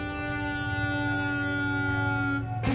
dunia gue nyelip jepik